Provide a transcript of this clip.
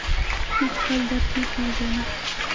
موږ خپل درد نه پېژنو.